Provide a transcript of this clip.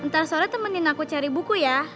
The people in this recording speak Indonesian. entar sore temenin aku cari buku ya